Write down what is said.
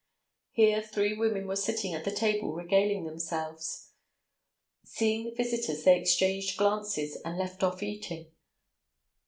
Here three women were sitting at the table regaling themselves. Seeing the visitors, they exchanged glances and left off eating.